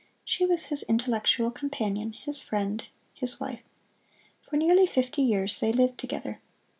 She was his intellectual companion, his friend, his wife. For nearly fifty years they lived together.